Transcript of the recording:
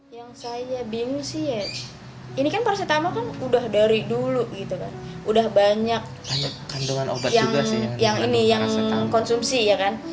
yang saya bingung sih ya ini kan porsitama kan udah dari dulu gitu kan udah banyak yang ini yang konsumsi ya kan